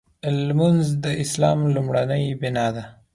لمونځ د اسلام لومړۍ بناء ده.